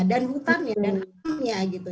dan hutannya dan alamnya gitu